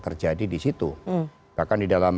terjadi di situ bahkan di dalam